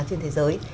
trên thế giới